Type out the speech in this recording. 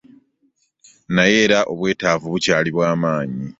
Naye era obwetaavu bukyali bwa maanyi.